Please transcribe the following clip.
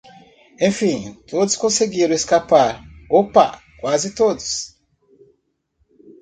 Enfim, todos conseguiram escapar! Opa! Quase todos!